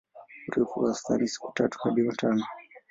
Urefu wa wastani siku tatu hadi tano.